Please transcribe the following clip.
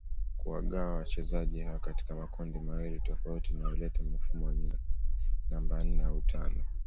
kuwagawa wachezaji hawa katika makundi mawili tofauti inayoleta mifumo yenye namba nne au tano